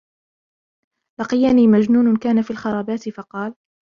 لَقِيَنِي مَجْنُونٌ كَانَ فِي الْخَرَابَاتِ فَقَالَ